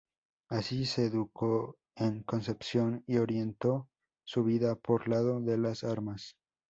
Así se educó en Concepción y orientó su vida por lado de las armas.